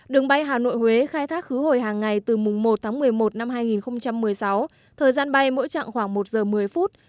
đường bay hà nội huế khai thác khứ hồi hàng ngày từ mùng một tháng một mươi một năm hai nghìn một mươi sáu thời gian bay mỗi chặng khoảng một giờ một mươi phút